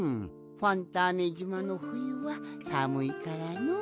ファンターネじまのふゆはさむいからのう。